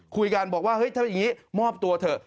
คุยกันบอกว่าเฮ้ยถ้าอย่างนี้มอบตัวเถอะ